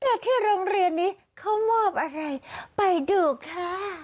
ที่โรงเรียนนี้เขามอบอะไรไปดูค่ะ